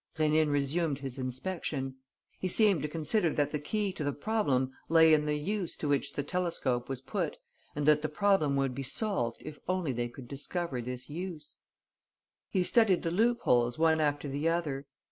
Rénine resumed his inspection. He seemed to consider that the key to the problem lay in the use to which the telescope was put and that the problem would be solved if only they could discover this use. He studied the loop holes one after the other.